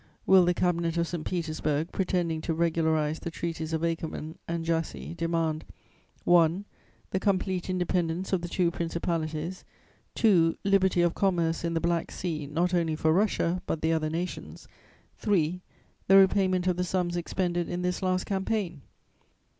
"Will the Cabinet of St. Petersburg, pretending to regularize the Treaties of Akerman and Jassy demand (1) the complete independence of the two principalities; (2) liberty of commerce in the Black Sea, not only for Russia, but the other nations; (3) the repayment of the sums expended in this last campaign?